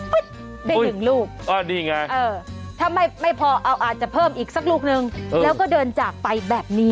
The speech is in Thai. ปุ๊บเป็น๑ลูกเออทำไมไม่พอเอาอาจจะเพิ่มอีกสักลูกนึงแล้วก็เดินจากไปแบบนี้